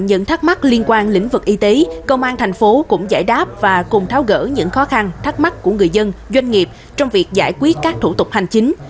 những thắc mắc liên quan lĩnh vực y tế công an thành phố cũng giải đáp và cùng tháo gỡ những khó khăn thắc mắc của người dân doanh nghiệp trong việc giải quyết các thủ tục hành chính